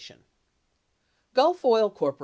H. Gulf Oil Coep.